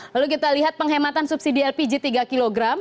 lalu kita lihat penghematan subsidi lpg tiga kg